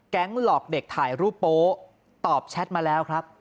หลอกเด็กถ่ายรูปโป๊ตอบแชทมาแล้วครับ